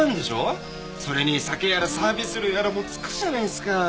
それに酒やらサービス料やらもつくじゃないっすか。